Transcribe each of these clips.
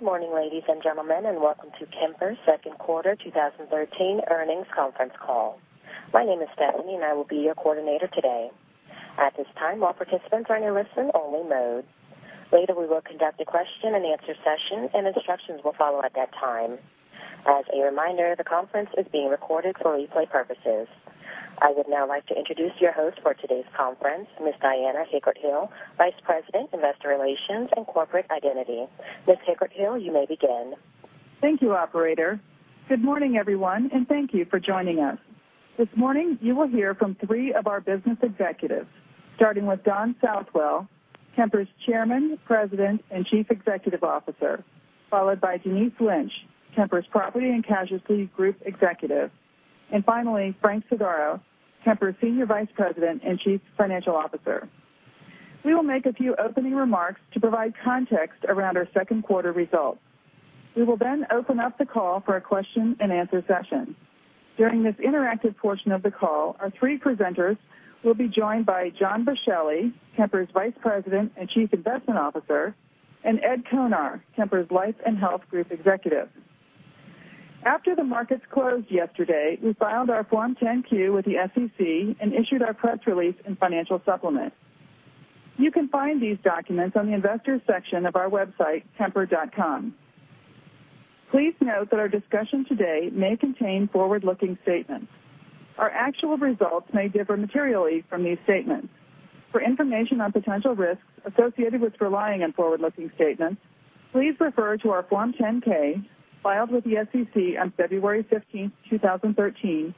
Good morning, ladies and gentlemen. Welcome to Kemper's second quarter 2013 earnings conference call. My name is Stephanie. I will be your coordinator today. At this time, all participants are in a listen-only mode. Later, we will conduct a question-and-answer session. Instructions will follow at that time. As a reminder, the conference is being recorded for replay purposes. I would now like to introduce your host for today's conference, Ms. Diana Hickert-Hill, Vice President, Investor Relations, and Corporate Identity. Ms. Hickert-Hill, you may begin. Thank you, operator. Good morning, everyone. Thank you for joining us. This morning, you will hear from three of our business executives, starting with Don Southwell, Kemper's Chairman, President, and Chief Executive Officer, followed by Denise Lynch, Kemper's Property and Casualty Group Executive. Finally, Frank Sodaro, Kemper's Senior Vice President and Chief Financial Officer. We will make a few opening remarks to provide context around our second quarter results. We will open up the call for a question-and-answer session. During this interactive portion of the call, our three presenters will be joined by John Boschelli, Kemper's Vice President and Chief Investment Officer. Al Knapp, Kemper's Life and Health Group Executive. After the markets closed yesterday, we filed our Form 10-Q with the SEC and issued our press release and financial supplement. You can find these documents on the investors section of our website, kemper.com. Please note that our discussion today may contain forward-looking statements. Our actual results may differ materially from these statements. For information on potential risks associated with relying on forward-looking statements, please refer to our Form 10-K filed with the SEC on February 15th, 2013,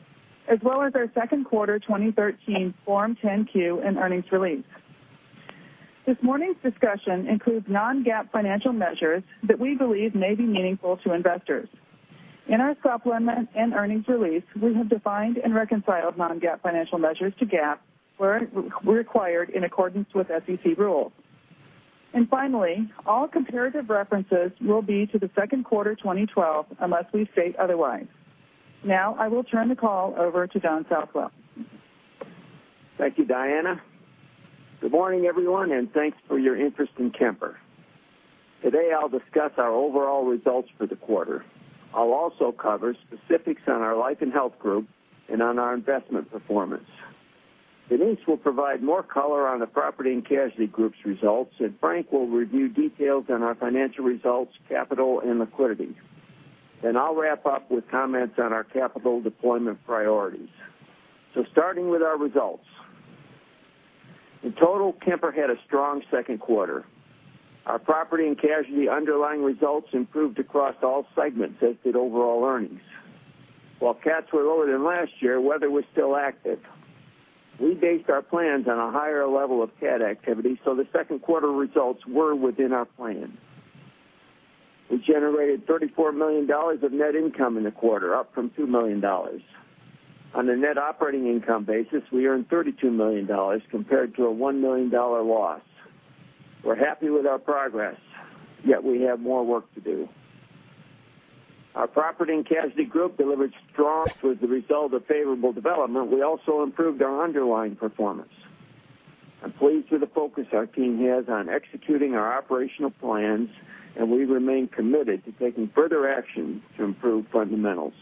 as well as our second quarter 2013 Form 10-Q and earnings release. This morning's discussion includes non-GAAP financial measures that we believe may be meaningful to investors. In our supplement and earnings release, we have defined and reconciled non-GAAP financial measures to GAAP, where required in accordance with SEC rules. Finally, all comparative references will be to the second quarter 2012, unless we state otherwise. Now, I will turn the call over to Don Southwell. Thank you, Diana. Good morning, everyone. Thanks for your interest in Kemper. Today, I'll discuss our overall results for the quarter. I'll also cover specifics on our Life and Health group and on our investment performance. Denise will provide more color on the Property and Casualty group's results. Frank will review details on our financial results, capital, and liquidity. I'll wrap up with comments on our capital deployment priorities. Starting with our results. In total, Kemper had a strong second quarter. Our Property and Casualty underlying results improved across all segments, as did overall earnings. While cats were lower than last year, weather was still active. We based our plans on a higher level of cat activity. The second quarter results were within our plan. We generated $34 million of net income in the quarter, up from $2 million. On a net operating income basis, we earned $32 million compared to a $1 million loss. We're happy with our progress, yet we have more work to do. Our Property and Casualty Group delivered strong with the result of favorable development. We also improved our underlying performance. I'm pleased with the focus our team has on executing our operational plans, and we remain committed to taking further action to improve fundamentals.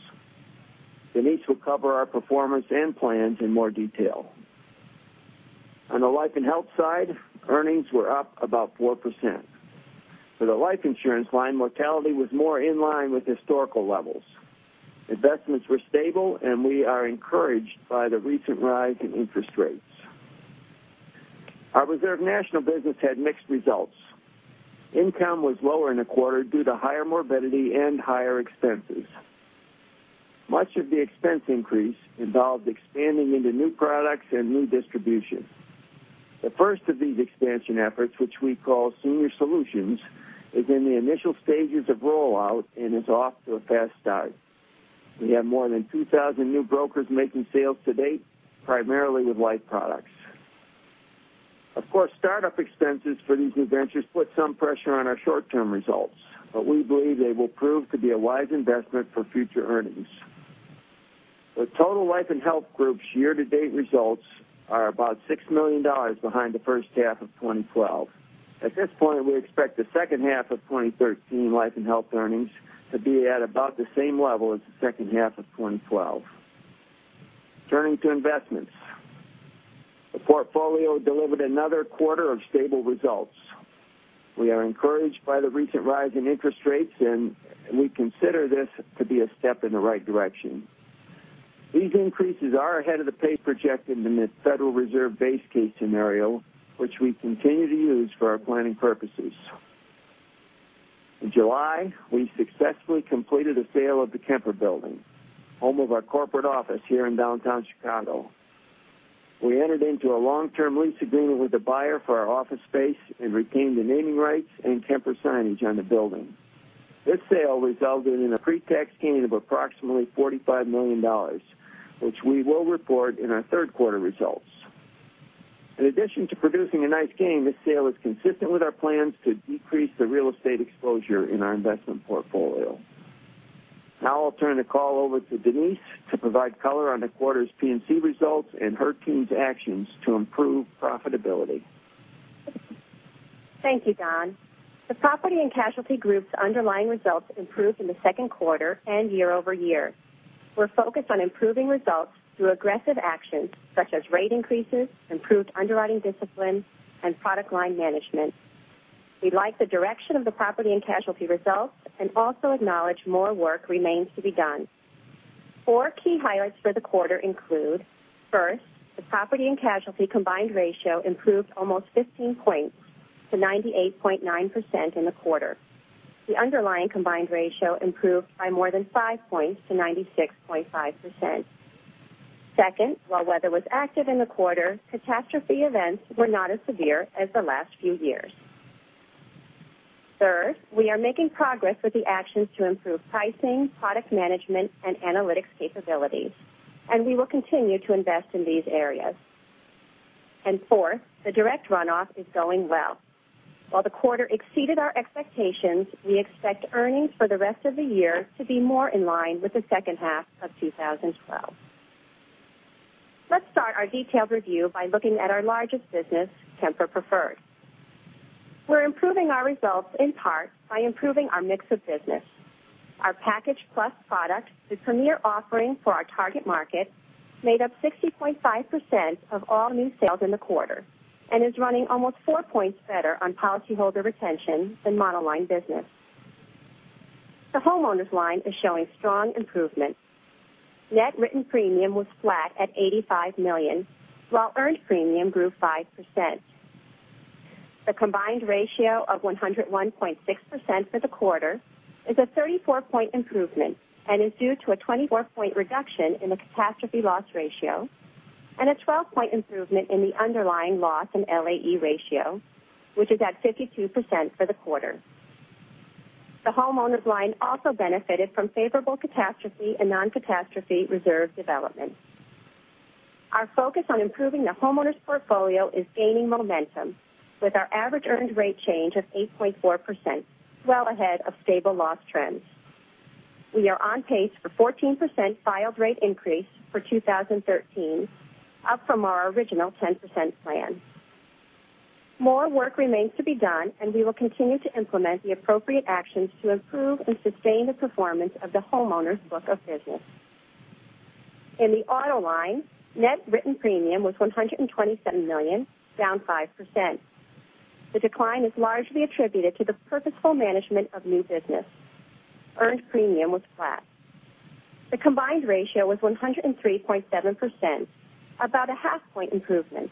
Denise will cover our performance and plans in more detail. On the life and health side, earnings were up about 4%. For the life insurance line, mortality was more in line with historical levels. Investments were stable, and we are encouraged by the recent rise in interest rates. Our Reserve National business had mixed results. Income was lower in the quarter due to higher morbidity and higher expenses. Much of the expense increase involved expanding into new products and new distribution. The first of these expansion efforts, which we call Kemper Senior Solutions, is in the initial stages of rollout and is off to a fast start. We have more than 2,000 new brokers making sales to date, primarily with life products. Of course, startup expenses for these new ventures put some pressure on our short-term results, but we believe they will prove to be a wise investment for future earnings. The total Life and Health Group's year-to-date results are about $6 million behind the first half of 2012. At this point, we expect the second half of 2013 life and health earnings to be at about the same level as the second half of 2012. Turning to investments. The portfolio delivered another quarter of stable results. We are encouraged by the recent rise in interest rates, and we consider this to be a step in the right direction. These increases are ahead of the pace projected in the Federal Reserve base case scenario, which we continue to use for our planning purposes. In July, we successfully completed a sale of the Kemper building, home of our corporate office here in downtown Chicago. We entered into a long-term lease agreement with the buyer for our office space and retained the naming rights and Kemper signage on the building. This sale resulted in a pre-tax gain of approximately $45 million, which we will report in our third-quarter results. In addition to producing a nice gain, this sale is consistent with our plans to decrease the real estate exposure in our investment portfolio. I'll turn the call over to Denise to provide color on the quarter's P&C results and her team's actions to improve profitability. Thank you, Don. The Property and Casualty group's underlying results improved in the second quarter and year-over-year. We're focused on improving results through aggressive actions such as rate increases, improved underwriting discipline, and product line management. We like the direction of the Property and Casualty results and also acknowledge more work remains to be done. Four key highlights for the quarter include, first, the Property and Casualty combined ratio improved almost 15 points to 98.9% in the quarter. The underlying combined ratio improved by more than five points to 96.5%. Second, while weather was active in the quarter, catastrophe events were not as severe as the last few years. Third, we are making progress with the actions to improve pricing, product management, and analytics capabilities, and we will continue to invest in these areas. Fourth, the direct runoff is going well. While the quarter exceeded our expectations, we expect earnings for the rest of the year to be more in line with the second half of 2012. Let's start our detailed review by looking at our largest business, Kemper Preferred. We're improving our results in part by improving our mix of business. Our Package Plus product, the premier offering for our target market, made up 60.5% of all new sales in the quarter and is running almost four points better on policyholder retention than monoline business. The homeowners line is showing strong improvement. Net written premium was flat at $85 million, while earned premium grew 5%. The combined ratio of 101.6% for the quarter is a 34-point improvement and is due to a 24-point reduction in the catastrophe loss ratio and a 12-point improvement in the underlying loss and LAE ratio, which is at 52% for the quarter. The homeowners line also benefited from favorable catastrophe and non-catastrophe reserve development. Our focus on improving the homeowners portfolio is gaining momentum with our average earned rate change of 8.4%, well ahead of stable loss trends. We are on pace for 14% filed rate increase for 2013, up from our original 10% plan. More work remains to be done, and we will continue to implement the appropriate actions to improve and sustain the performance of the homeowners book of business. In the auto line, net written premium was $127 million, down 5%. The decline is largely attributed to the purposeful management of new business. Earned premium was flat. The combined ratio was 103.7%, about a half point improvement.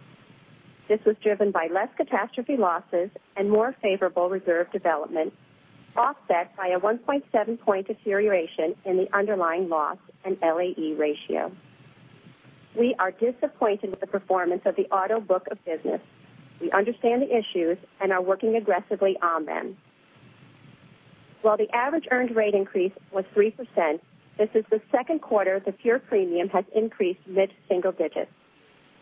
This was driven by less catastrophe losses and more favorable reserve development, offset by a 1.7 point deterioration in the underlying loss and LAE ratio. We are disappointed with the performance of the auto book of business. We understand the issues and are working aggressively on them. While the average earned rate increase was 3%, this is the second quarter that pure premium has increased mid-single digits,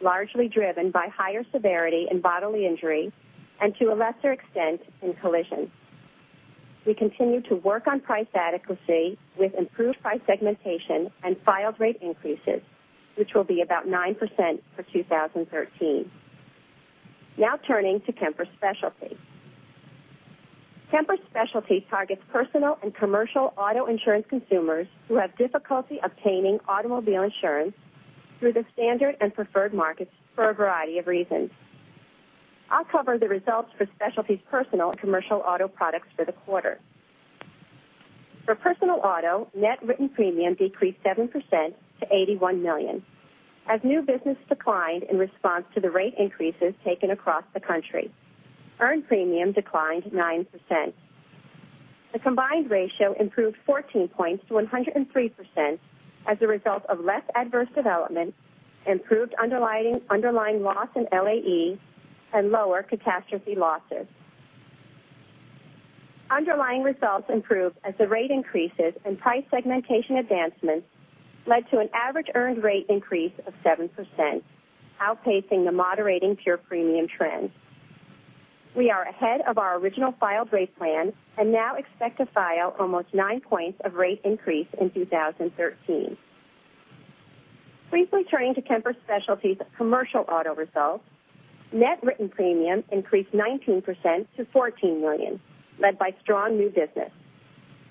largely driven by higher severity in bodily injury and to a lesser extent, in collision. We continue to work on price adequacy with improved price segmentation and filed rate increases, which will be about 9% for 2013. Now turning to Kemper Specialty. Kemper Specialty targets personal and commercial auto insurance consumers who have difficulty obtaining automobile insurance through the standard and preferred markets for a variety of reasons. I'll cover the results for Specialty's personal and commercial auto products for the quarter. For personal auto, net written premium decreased 7% to $81 million, as new business declined in response to the rate increases taken across the country. Earned premium declined 9%. The combined ratio improved 14 points to 103% as a result of less adverse development, improved underlying loss in LAE, and lower catastrophe losses. Underlying results improved as the rate increases and price segmentation advancements led to an average earned rate increase of 7%, outpacing the moderating pure premium trend. We are ahead of our original filed rate plan and now expect to file almost 9 points of rate increase in 2013. Briefly turning to Kemper Specialty's commercial auto results. Net written premium increased 19% to $14 million, led by strong new business.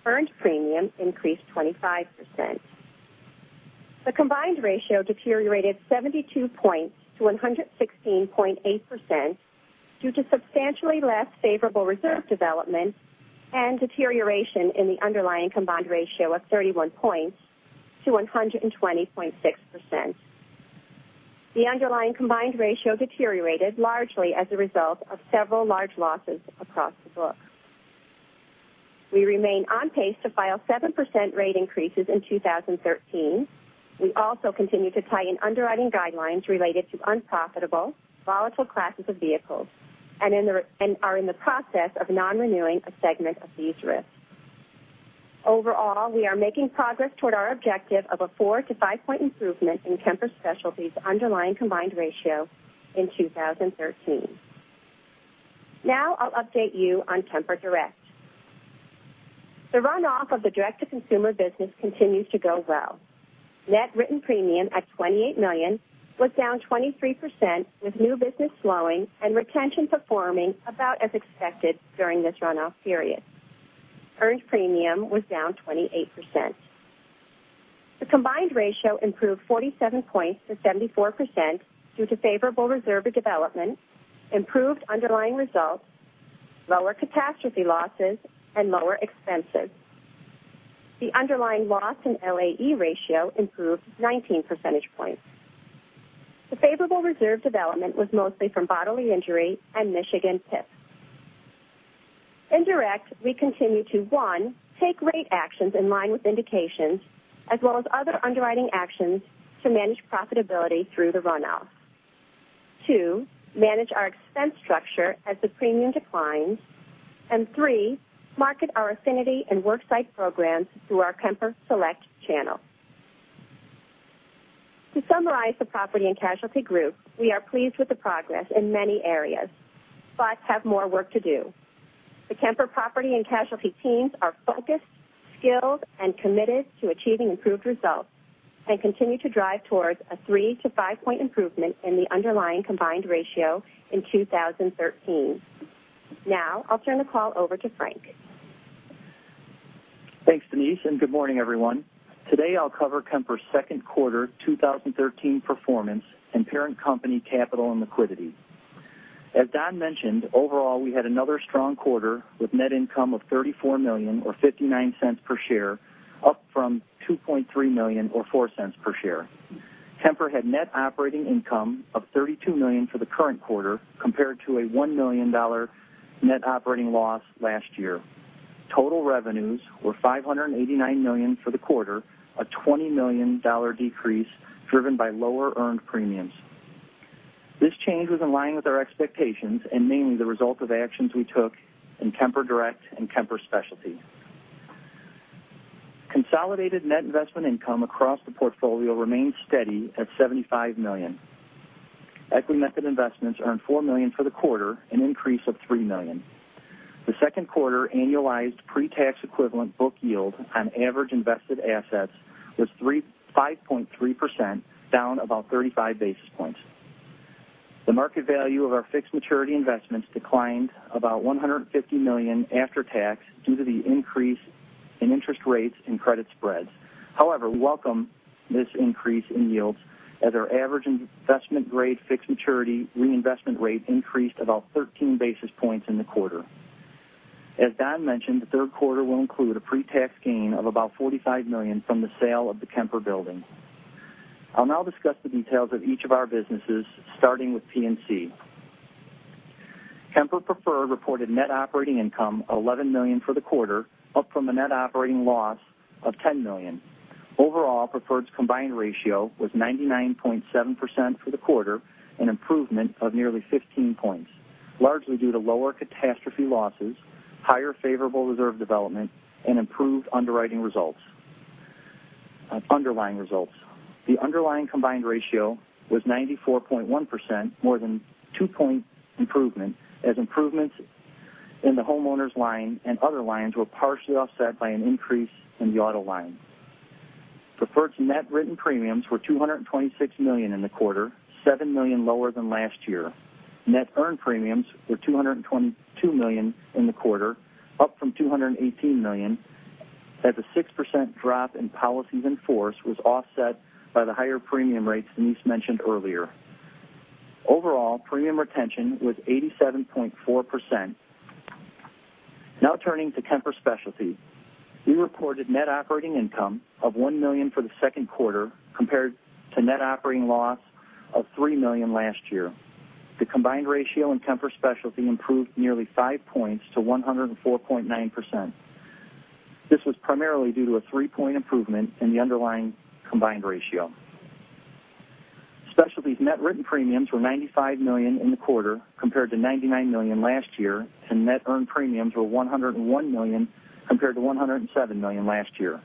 Earned premium increased 25%. The combined ratio deteriorated 72 points to 116.8% due to substantially less favorable reserve development and deterioration in the underlying combined ratio of 31 points to 120.6%. The underlying combined ratio deteriorated largely as a result of several large losses across the book. We remain on pace to file 7% rate increases in 2013. We also continue to tighten underwriting guidelines related to unprofitable, volatile classes of vehicles and are in the process of non-renewing a segment of these risks. Overall, we are making progress toward our objective of a 4- to 5-point improvement in Kemper Specialty's underlying combined ratio in 2013. Now I'll update you on Kemper Direct. The runoff of the direct-to-consumer business continues to go well. Net written premium at $28 million was down 23%, with new business slowing and retention performing about as expected during this runoff period. Earned premium was down 28%. The combined ratio improved 47 points to 74% due to favorable reserve development, improved underlying results, lower catastrophe losses, and lower expenses. The underlying loss in LAE ratio improved 19 percentage points. The favorable reserve development was mostly from bodily injury and Michigan PIP. In Direct, we continue to 1, take rate actions in line with indications as well as other underwriting actions to manage profitability through the runoff. 2, manage our expense structure as the premium declines. 3, market our affinity and worksite programs through our Kemper Select channel. To summarize the property and casualty group, we are pleased with the progress in many areas but have more work to do. The Kemper property and casualty teams are focused, skilled, and committed to achieving improved results and continue to drive towards a 3- to 5-point improvement in the underlying combined ratio in 2013. Now I'll turn the call over to Frank. Thanks, Denise, and good morning, everyone. Today I'll cover Kemper's second quarter 2013 performance and parent company capital and liquidity. As Don mentioned, overall, we had another strong quarter with net income of $34 million or $0.59 per share, up from $2.3 million or $0.04 per share. Kemper had net operating income of $32 million for the current quarter, compared to a $1 million net operating loss last year. Total revenues were $589 million for the quarter, a $20 million decrease driven by lower earned premiums. This change was in line with our expectations and mainly the result of actions we took in Kemper Direct and Kemper Specialty. Consolidated net investment income across the portfolio remained steady at $75 million. Equity method investments earned $4 million for the quarter, an increase of $3 million. The second quarter annualized pre-tax equivalent book yield on average invested assets was 5.3%, down about 35 basis points. The market value of our fixed maturity investments declined about $150 million after tax due to the increase in interest rates and credit spreads. We welcome this increase in yields as our average investment-grade fixed maturity reinvestment rate increased about 13 basis points in the quarter. As Don mentioned, the third quarter will include a pre-tax gain of about $45 million from the sale of the Kemper building. I'll now discuss the details of each of our businesses, starting with P&C. Kemper Preferred reported net operating income of $11 million for the quarter up from a net operating loss of $10 million. Overall, Preferred's combined ratio was 99.7% for the quarter, an improvement of nearly 15 points, largely due to lower catastrophe losses, higher favorable reserve development, and improved underlying results. The underlying combined ratio was 94.1%, more than two point improvement, as improvements in the homeowners line and other lines were partially offset by an increase in the auto line. Preferred's net written premiums were $226 million in the quarter, $7 million lower than last year. Net earned premiums were $222 million in the quarter, up from $218 million as a 6% drop in policies in force was offset by the higher premium rates Denise mentioned earlier. Overall, premium retention was 87.4%. Turning to Kemper Specialty. We reported net operating income of $1 million for the second quarter compared to net operating loss of $3 million last year. The combined ratio in Kemper Specialty improved nearly five points to 104.9%. This was primarily due to a three-point improvement in the underlying combined ratio. Specialty's net written premiums were $95 million in the quarter compared to $99 million last year, and net earned premiums were $101 million compared to $107 million last year.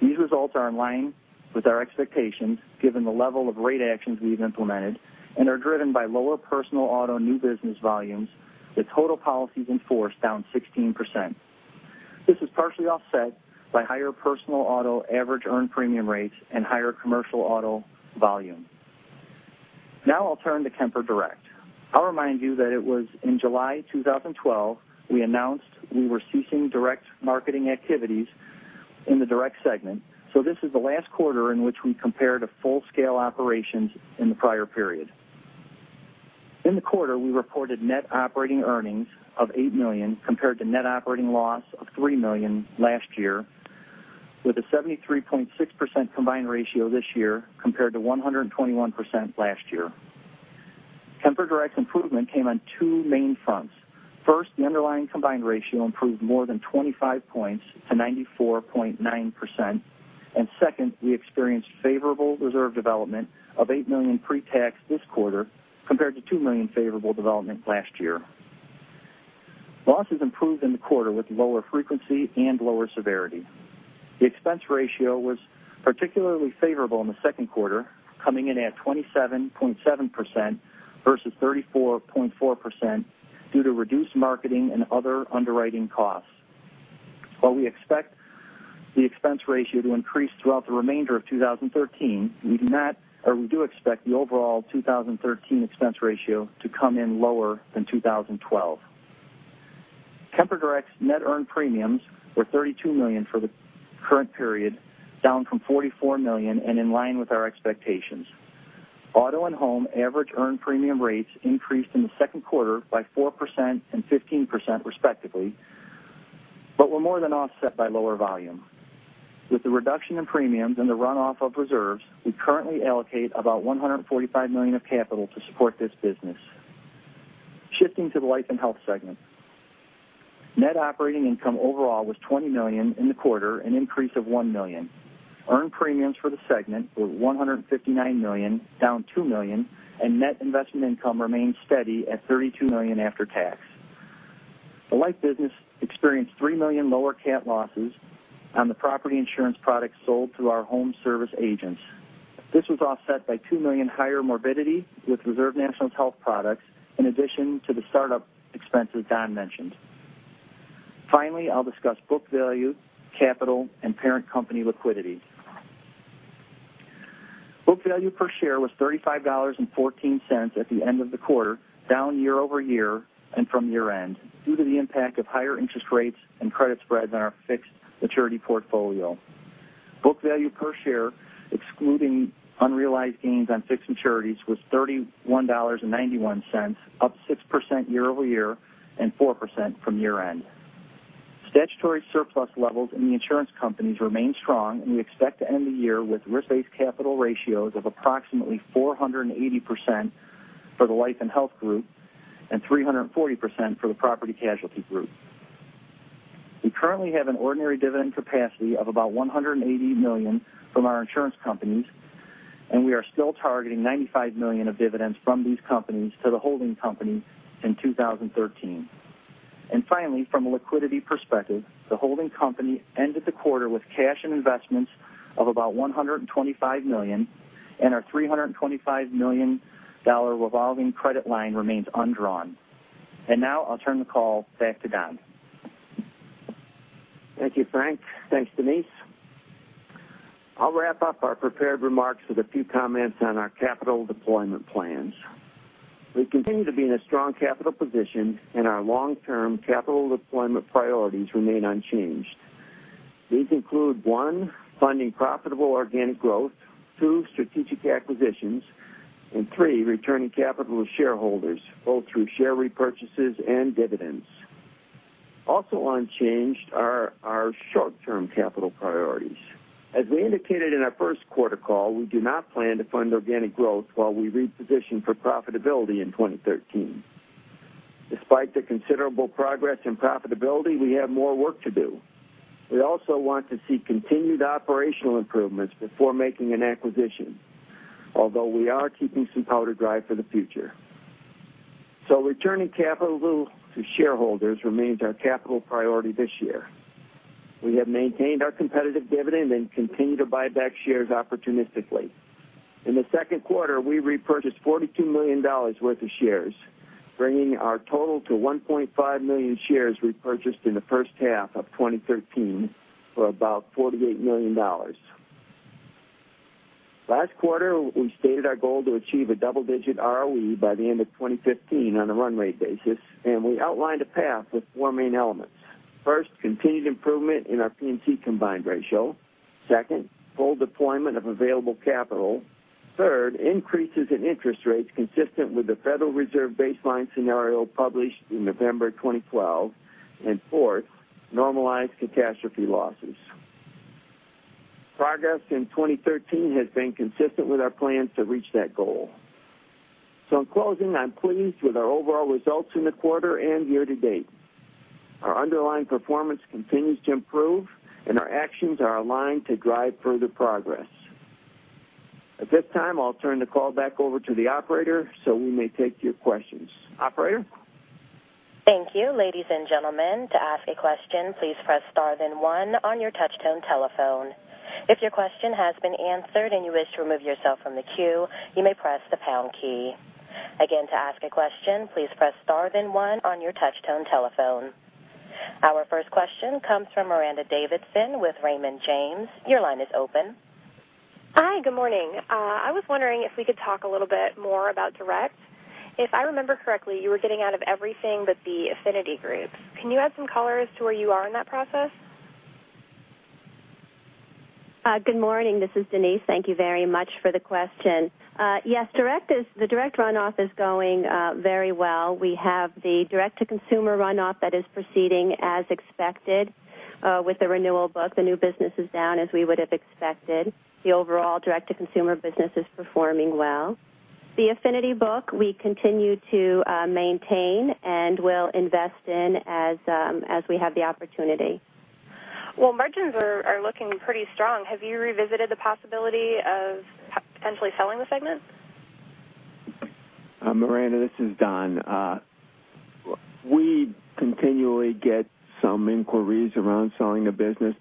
These results are in line with our expectations given the level of rate actions we've implemented and are driven by lower personal auto new business volumes with total policies in force down 16%. This is partially offset by higher personal auto average earned premium rates and higher commercial auto volume. I'll turn to Kemper Direct. I'll remind you that it was in July 2012, we announced we were ceasing direct marketing activities in the direct segment, so this is the last quarter in which we compared a full-scale operations in the prior period. In the quarter, we reported net operating earnings of $8 million compared to net operating loss of $3 million last year with a 73.6% combined ratio this year compared to 121% last year. Kemper Direct's improvement came on two main fronts. First, the underlying combined ratio improved more than 25 points to 94.9%, and second, we experienced favorable reserve development of $8 million pre-tax this quarter compared to $2 million favorable development last year. Losses improved in the quarter with lower frequency and lower severity. The expense ratio was particularly favorable in the second quarter, coming in at 27.7% versus 34.4%, due to reduced marketing and other underwriting costs. While we expect the expense ratio to increase throughout the remainder of 2013, we do expect the overall 2013 expense ratio to come in lower than 2012. Kemper Direct's net earned premiums were $32 million for the current period, down from $44 million and in line with our expectations. Auto and home average earned premium rates increased in the second quarter by 4% and 15%, respectively, but were more than offset by lower volume. With the reduction in premiums and the runoff of reserves, we currently allocate about $145 million of capital to support this business. Shifting to the life and health segment. Net operating income overall was $20 million in the quarter, an increase of $1 million. Earned premiums for the segment were $159 million, down $2 million, and net investment income remained steady at $32 million after tax. The life business experienced $3 million lower cat losses on the property insurance products sold through our home service agents. This was offset by $2 million higher morbidity with Reserve National's health products, in addition to the startup expenses Don mentioned. Finally, I'll discuss book value, capital, and parent company liquidity. Book value per share was $35.14 at the end of the quarter, down year-over-year and from year-end due to the impact of higher interest rates and credit spreads on our fixed maturity portfolio. Book value per share, excluding unrealized gains on fixed maturities, was $31.91, up 6% year-over-year and 4% from year-end. Statutory surplus levels in the insurance companies remain strong, and we expect to end the year with risk-based capital ratios of approximately 480% for the Life and Health Group and 340% for the Property Casualty Group. We currently have an ordinary dividend capacity of about $180 million from our insurance companies, and we are still targeting $95 million of dividends from these companies to the holding company in 2013. Finally, from a liquidity perspective, the holding company ended the quarter with cash and investments of about $125 million and our $325 million revolving credit line remains undrawn. Now I'll turn the call back to Don. Thank you, Frank. Thanks, Denise. I'll wrap up our prepared remarks with a few comments on our capital deployment plans. We continue to be in a strong capital position and our long-term capital deployment priorities remain unchanged. These include, 1, funding profitable organic growth, 2, strategic acquisitions, and 3, returning capital to shareholders, both through share repurchases and dividends. Also unchanged are our short-term capital priorities. As we indicated in our first quarter call, we do not plan to fund organic growth while we reposition for profitability in 2013. Despite the considerable progress in profitability, we have more work to do. We also want to see continued operational improvements before making an acquisition, although we are keeping some powder dry for the future. Returning capital to shareholders remains our capital priority this year. We have maintained our competitive dividend and continue to buy back shares opportunistically. In the second quarter, we repurchased $42 million worth of shares, bringing our total to 1.5 million shares repurchased in the first half of 2013 for about $48 million. Last quarter, we stated our goal to achieve a double-digit ROE by the end of 2015 on a run rate basis, and we outlined a path with four main elements. First, continued improvement in our P&C combined ratio. Second, full deployment of available capital. Third, increases in interest rates consistent with the Federal Reserve baseline scenario published in November 2012. Fourth, normalized catastrophe losses. Progress in 2013 has been consistent with our plans to reach that goal. In closing, I'm pleased with our overall results in the quarter and year to date. Our underlying performance continues to improve, and our actions are aligned to drive further progress. At this time, I'll turn the call back over to the operator so we may take your questions. Operator? Thank you. Ladies and gentlemen, to ask a question, please press star then one on your touch tone telephone. If your question has been answered and you wish to remove yourself from the queue, you may press the pound key. Again, to ask a question, please press star then one on your touch tone telephone. Our first question comes from C. Gregory Peters with Raymond James. Your line is open. Hi, good morning. I was wondering if we could talk a little bit more about Direct. If I remember correctly, you were getting out of everything but the affinity groups. Can you add some color as to where you are in that process? Good morning. This is Denise. Thank you very much for the question. Yes, the direct runoff is going very well. We have the direct-to-consumer runoff that is proceeding as expected with the renewal book. The new business is down as we would have expected. The overall direct-to-consumer business is performing well. The affinity book we continue to maintain and will invest in as we have the opportunity. Well, margins are looking pretty strong. Have you revisited the possibility of potentially selling the segment? Miranda, this is Don.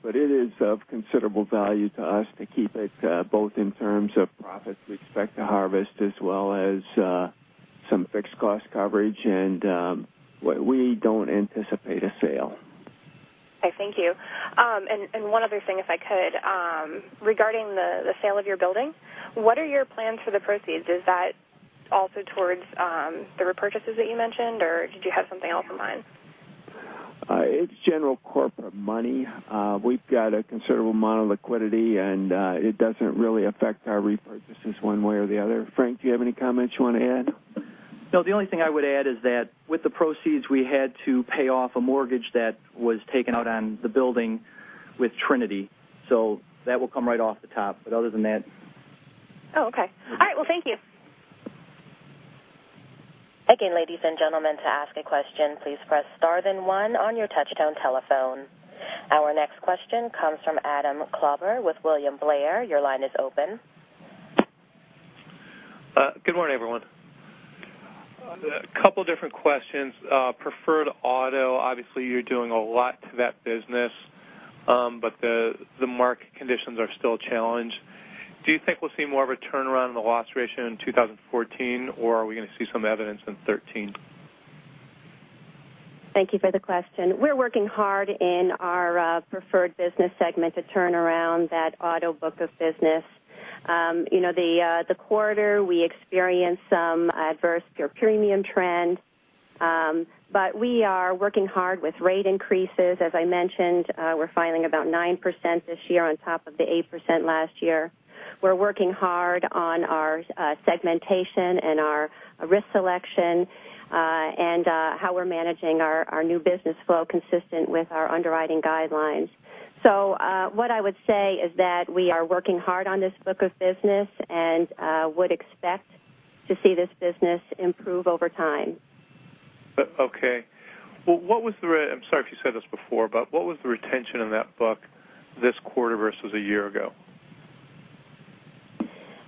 It is of considerable value to us to keep it both in terms of profits we expect to harvest as well as some fixed cost coverage. We don't anticipate a sale. Okay. Thank you. One other thing, if I could. Regarding the sale of your building, what are your plans for the proceeds? Is that also towards the repurchases that you mentioned, or did you have something else in mind? It's general corporate money. We've got a considerable amount of liquidity, it doesn't really affect our repurchases one way or the other. Frank, do you have any comments you want to add? No, the only thing I would add is that with the proceeds, we had to pay off a mortgage that was taken out on the building with Trinity. That will come right off the top. Other than that. Oh, okay. All right. Well, thank you. Again, ladies and gentlemen, to ask a question, please press star then one on your touchtone telephone. Our next question comes from Adam Klauber with William Blair. Your line is open. Good morning, everyone. A couple different questions. Preferred auto, obviously, you're doing a lot to that business. The market conditions are still a challenge. Do you think we'll see more of a turnaround in the loss ratio in 2014, or are we going to see some evidence in 2013? Thank you for the question. We're working hard in our Preferred business segment to turn around that auto book of business. The quarter, we experienced some adverse pure premium trend. We are working hard with rate increases. As I mentioned, we're filing about 9% this year on top of the 8% last year. We're working hard on our segmentation and our risk selection, and how we're managing our new business flow consistent with our underwriting guidelines. What I would say is that we are working hard on this book of business and would expect to see this business improve over time. Okay. I'm sorry if you said this before, but what was the retention in that book this quarter versus a year ago?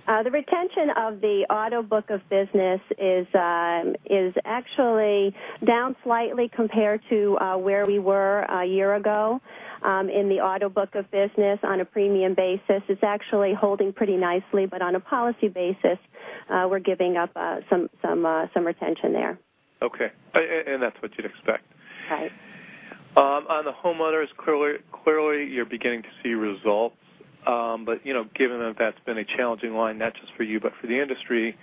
The retention of the auto book of business is actually down slightly compared to where we were a year ago. In the auto book of business on a premium basis, it's actually holding pretty nicely. On a policy basis, we're giving up some retention there. Okay. That's what you'd expect. Right. On the homeowners, clearly, you're beginning to see results. Given that that's been a challenging line, not just for you, but for the industry,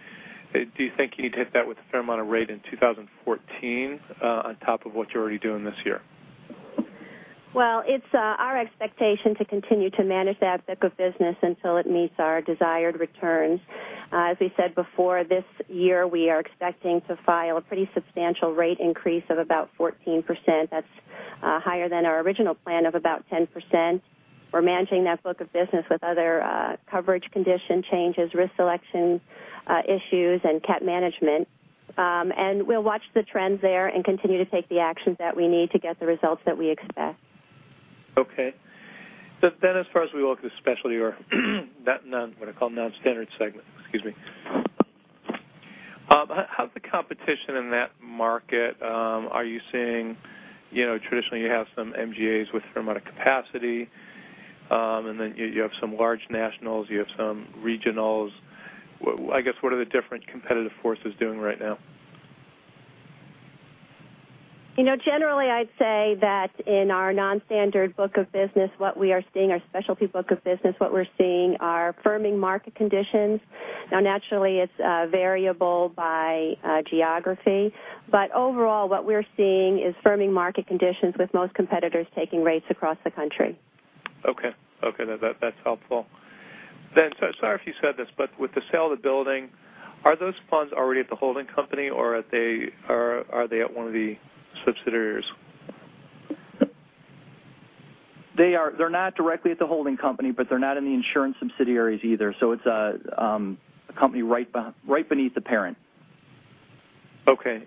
do you think you need to hit that with a fair amount of rate in 2014 on top of what you're already doing this year? Well, it's our expectation to continue to manage that book of business until it meets our desired returns. As we said before, this year, we are expecting to file a pretty substantial rate increase of about 14%. That's higher than our original plan of about 10%. We're managing that book of business with other coverage condition changes, risk selection issues, and cap management. We'll watch the trends there and continue to take the actions that we need to get the results that we expect. Okay. As far as we look at specialty or what I call non-standard segment. Excuse me. How's the competition in that market? Are you seeing, traditionally you have some MGAs with a fair amount of capacity. You have some large nationals, you have some regionals. I guess, what are the different competitive forces doing right now? Generally, I'd say that in our non-standard book of business, what we are seeing, our specialty book of business, what we're seeing are firming market conditions. Naturally, it's variable by geography. Overall, what we're seeing is firming market conditions with most competitors taking rates across the country. Okay. That's helpful. Sorry if you said this, but with the sale of the building, are those funds already at the holding company, or are they at one of the subsidiaries? They're not directly at the holding company, but they're not in the insurance subsidiaries either. It's a company right beneath the parent. Okay.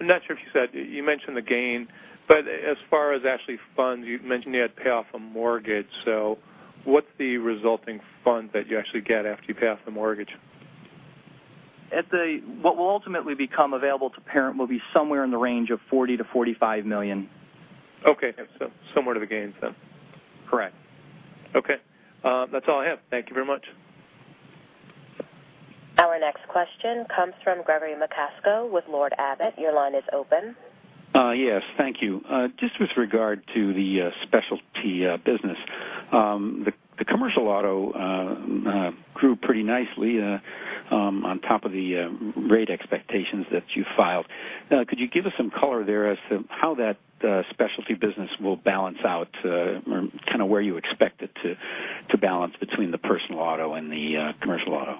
I'm not sure if you said, you mentioned the gain, but as far as actually funds, you'd mentioned you had to pay off a mortgage. What's the resulting funds that you actually get after you pay off the mortgage? What will ultimately become available to parent will be somewhere in the range of $40 million-$45 million. Okay. Similar to the gains then. Correct. Okay. That's all I have. Thank you very much. Our next question comes from Gregory Macosko with Lord Abbett. Your line is open. Yes. Thank you. Just with regard to the specialty business. The commercial auto grew pretty nicely on top of the rate expectations that you filed. Could you give us some color there as to how that specialty business will balance out, kind of where you expect it to balance between the personal auto and the commercial auto?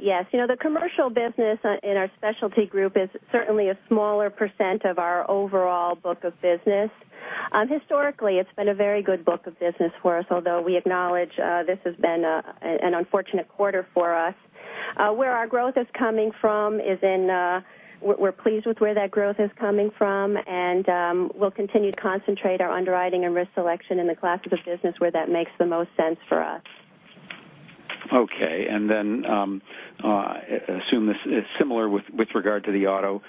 Yes. The commercial business in our specialty group is certainly a smaller % of our overall book of business. Historically, it's been a very good book of business for us, although we acknowledge this has been an unfortunate quarter for us. Where our growth is coming from, we're pleased with where that growth is coming from, and we'll continue to concentrate our underwriting and risk selection in the classes of business where that makes the most sense for us. Okay. I assume this is similar with regard to the auto.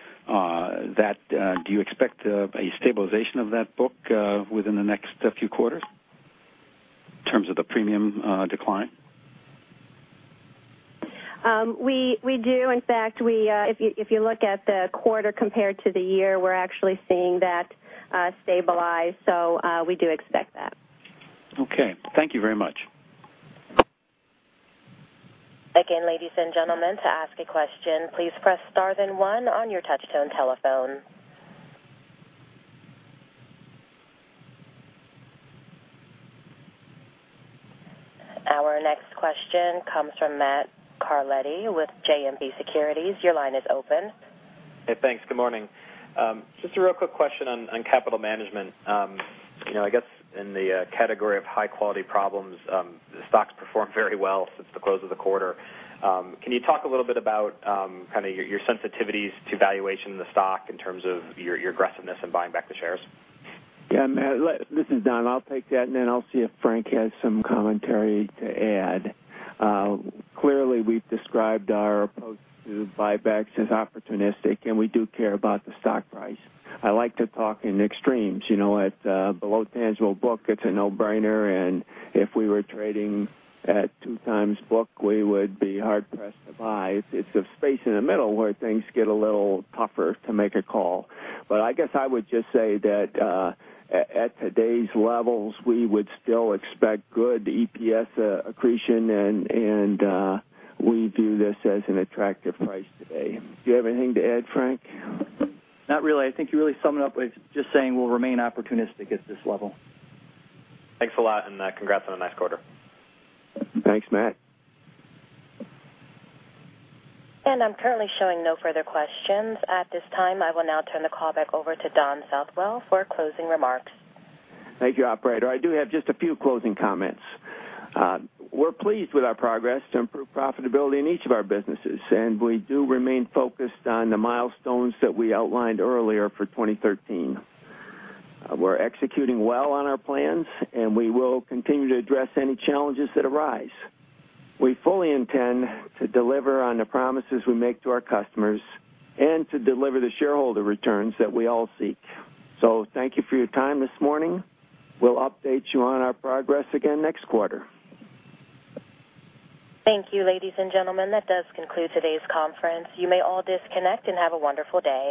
Do you expect a stabilization of that book within the next few quarters in terms of the premium decline? We do. In fact, if you look at the quarter compared to the year, we're actually seeing that stabilize. We do expect that. Okay. Thank you very much. Again, ladies and gentlemen, to ask a question, please press star then one on your touch-tone telephone. Our next question comes from Matt Carletti with JMP Securities. Your line is open. Hey, thanks. Good morning. Just a real quick question on capital management. I guess in the category of high-quality problems, the stock's performed very well since the close of the quarter. Can you talk a little bit about your sensitivities to valuation of the stock in terms of your aggressiveness in buying back the shares? Yeah, Matt, this is Don. I'll take that, and then I'll see if Frank has some commentary to add. Clearly, we've described our approach to buybacks as opportunistic, and we do care about the stock price. I like to talk in extremes. At below tangible book, it's a no-brainer, and if we were trading at 2 times book, we would be hard-pressed to buy. It's the space in the middle where things get a little tougher to make a call. But I guess I would just say that at today's levels, we would still expect good EPS accretion, and we view this as an attractive price today. Do you have anything to add, Frank? Not really. I think you really summed it up with just saying we'll remain opportunistic at this level. Thanks a lot. Congrats on a nice quarter. Thanks, Matt. I'm currently showing no further questions. At this time, I will now turn the call back over to Don Southwell for closing remarks. Thank you, operator. I do have just a few closing comments. We're pleased with our progress to improve profitability in each of our businesses. We do remain focused on the milestones that we outlined earlier for 2013. We're executing well on our plans. We will continue to address any challenges that arise. We fully intend to deliver on the promises we make to our customers and to deliver the shareholder returns that we all seek. Thank you for your time this morning. We'll update you on our progress again next quarter. Thank you, ladies and gentlemen. That does conclude today's conference. You may all disconnect. Have a wonderful day.